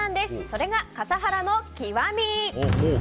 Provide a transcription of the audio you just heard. それが、笠原の極み。